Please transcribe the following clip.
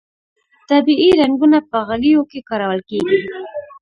طبیعي رنګونه په غالیو کې کارول کیږي